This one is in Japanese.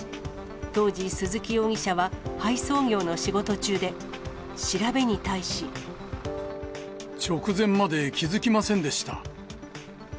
当時、鈴木容疑者は配送業の仕事中で、調べに対し。直前まで気付きませんでした。